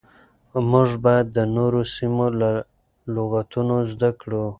موږ بايد د نورو سيمو له لغتونو زده کړو.